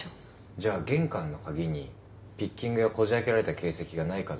じゃあ玄関の鍵にピッキングやこじ開けられた形跡がないかどうか。